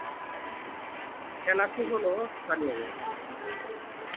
এলাচি হল স্থানীয় মদ।